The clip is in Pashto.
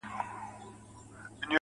• نن بيا د هغې نامه په جار نارې وهلې چي.